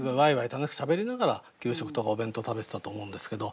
楽しくしゃべりながら給食とかお弁当食べてたと思うんですけど。